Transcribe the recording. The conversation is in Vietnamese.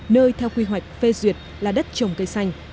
nơi theo quy hoạch phê duyệt là đất trồng cây xanh